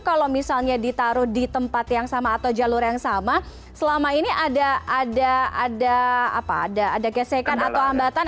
kalau misalnya ditaruh di tempat yang sama atau jalur yang sama selama ini ada gesekan atau hambatan